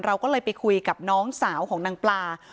เราก็เลยไปคุยกับน้องสาวของนางปลา